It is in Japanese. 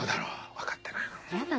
分かってないな。